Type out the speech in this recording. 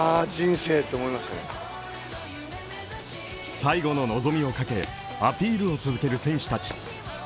最後の望みをかけ、アピールを続ける選手たち。